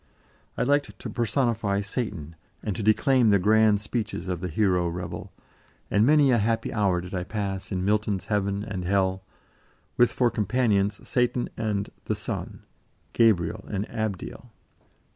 I liked to personify Satan, and to declaim the grand speeches of the hero rebel, and many a happy hour did I pass in Milton's heaven and hell, with for companions Satan and "the Son," Gabriel and Abdiel.